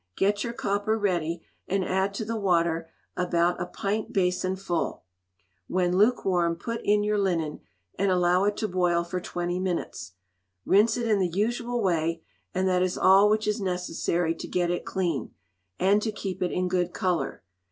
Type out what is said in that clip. Get your copper ready, and add to the water about a pint basin full; when lukewarm put in your linen, and allow it to boil for twenty minutes. Rinse it in the usual way, and that is all which is necessary to get it clean, and to keep it in good colour.